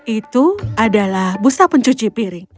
itu adalah busa pencuci piring